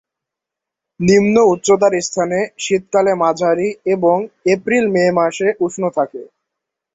নিম্ন উচ্চতার স্থানে শীতকালে মাঝারি এবং এপ্রিল-মে মাসে উষ্ণ থাকে।